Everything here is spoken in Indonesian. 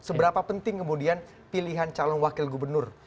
seberapa penting kemudian pilihan calon wakil gubernur